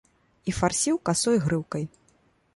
І фарсіў касой грыўкай.